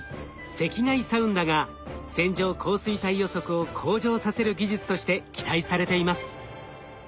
赤外サウンダが線状降水帯予測を向上させる技術として期待されています。